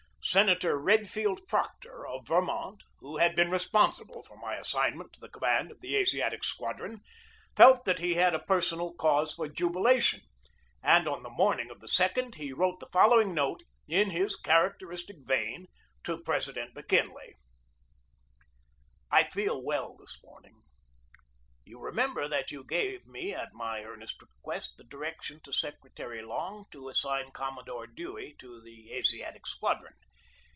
Senator Redfield Proctor, of Vermont, who had been responsible for my assign ment to the command of the Asiatic Squadron, felt that he had a personal cause for jubilation, and on the morning of the 2d he wrote the following note, in his characteristic vein, to President McKinley: " I feel well this morning. "You may remember that you gave, at my ear nest request, the direction to Secretary Long to as sign Commodore Dewey to the Asiatic Squadron.